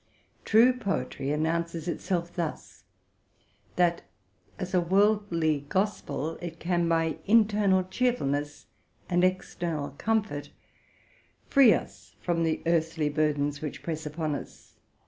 True poetry announces itself thus, that, as a worldly gospel, it can by internal cheerfulness and external comfort free us from the earthly burdens which press upon us.